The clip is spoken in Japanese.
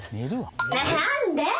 何で？